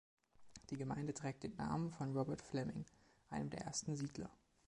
Die Gemeinde trägt den Namen von Robert Fleming, einem der ersten Siedler.